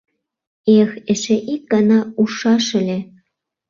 Эх, эше ик гана ужшаш ыле!